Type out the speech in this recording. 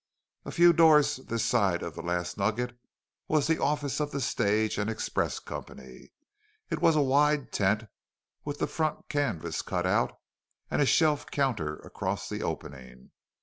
A few doors this side of the Last Nugget was the office of the stage and express company. It was a wide tent with the front canvas cut out and a shelf counter across the opening.